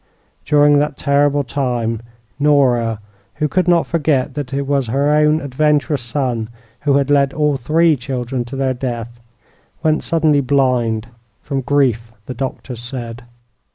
During that terrible time, Nora, who could not forget that it was her own adventurous son who had led all three children to their death, went suddenly blind from grief, the doctors said.